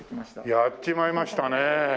やっちまいましたね